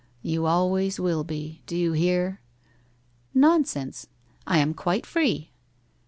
You always will be, do you hear? '' Nonsense! I am quite free.'